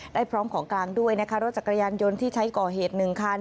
พร้อมของกลางด้วยนะคะรถจักรยานยนต์ที่ใช้ก่อเหตุ๑คัน